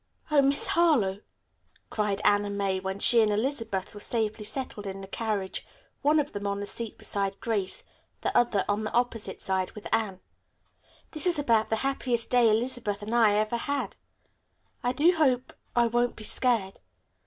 "Oh, Miss Harlowe," cried Anna May, when she and Elizabeth were safely settled in the carriage, one of them on the seat beside Grace, the other on the opposite side with Anne, "this is about the happiest day Elizabeth and I ever had. I do hope I won't be scared.